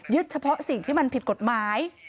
เฉพาะสิ่งที่มันผิดกฎหมาย